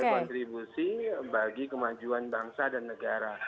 berkontribusi bagi kemajuan bangsa dan negara